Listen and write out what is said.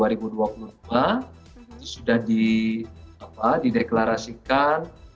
itu sudah dideklarasikan